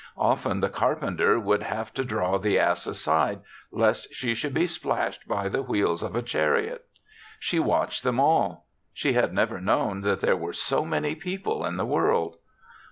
Often the carpenter would have to draw the ass aside, lest she should be splashed by the wheels of a chariot. She watched them all; she had never known that there were so many people in the world.